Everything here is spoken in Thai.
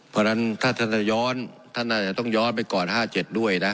เพราะฉะนั้นถ้าท่านจะย้อนท่านอาจจะต้องย้อนไปก่อน๕๗ด้วยนะ